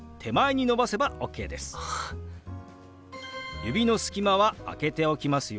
指の隙間は空けておきますよ